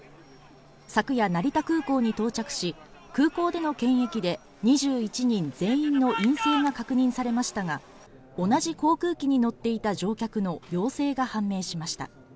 昨夜、成田空港に到着し、空港での検疫で２１人全員の陰性が確認されましたが同じ航空機に乗っていた乗客の陽性が判明しました。